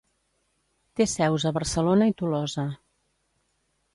Té seus a Barcelona i Tolosa.